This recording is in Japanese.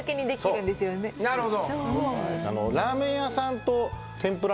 なるほど。